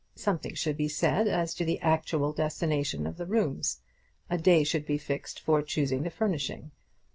Something should be said as to the actual destination of the rooms. A day should be fixed for choosing the furnishing.